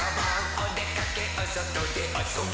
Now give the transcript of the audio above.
「おでかけおそとであそぼ」